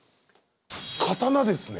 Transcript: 刀ですね？